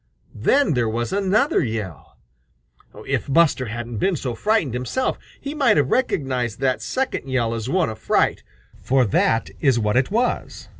Then there was another yell. If Buster hadn't been so frightened himself, he might have recognized that second yell as one of fright, for that is what it was.